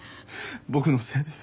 僕のせいです。